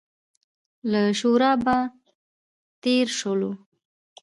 له شورابه تېر شولو.